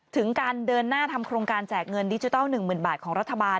ถึงการเดินหน้าทำโครงการแจกเงินดิจิทัล๑๐๐๐บาทของรัฐบาล